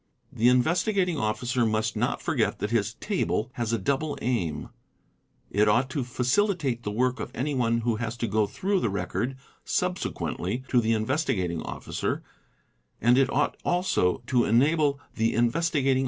The Investigating Officer must : not forget that his table has a double aim: it ought to facilitate the work of anyone who has to go through the record subsequently to the Inves ~ tigating Officer, and it ought also to enable the Investigating.